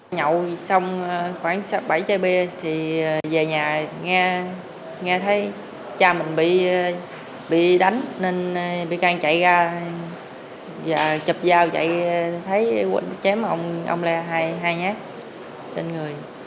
cha mình bị đánh nên bị can chạy ra chập dao chạy thấy quẩn chém ông le hai nhát trên người